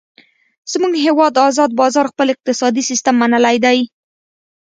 زمونږ هیواد ازاد بازار خپل اقتصادي سیستم منلی دی.